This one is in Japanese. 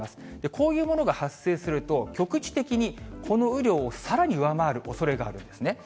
こういうものが発生すると、局地的にこの雨量をさらに上回るおそれがあるんですね。